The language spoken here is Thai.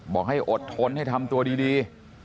บอกให้อดทนให้ทำตัวดี